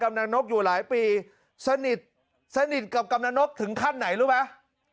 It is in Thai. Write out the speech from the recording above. กำลังนกอยู่หลายปีสนิทสนิทกับกำลังนกถึงขั้นไหนรู้ไหม